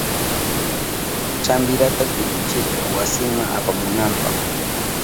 Champirata pilluchirka wasinma apamunanpa.